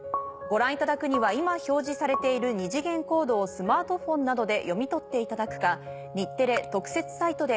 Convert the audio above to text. ご覧いただくには今表示されている二次元コードをスマートフォンなどで読み取っていただくか。